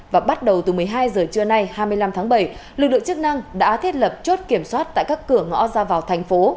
và bắt đầu từ một mươi hai h trưa nay hai mươi năm tháng bảy lực lượng chức năng đã thiết lập chốt kiểm soát tại các cửa ngõ ra vào thành phố